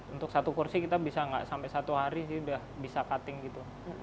untuk satu kursi kita bisa nggak sampai satu hari sih udah bisa cutting gitu